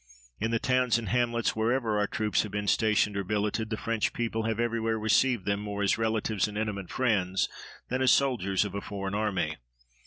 In the towns and hamlets wherever our troops have been stationed or billeted the French people have everywhere received them more as relatives and intimate friends than as soldiers of a foreign army.